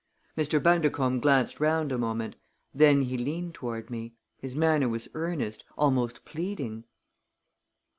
Mr. Bundercombe glanced round a moment. Then he leaned toward me. His manner was earnest almost pleading.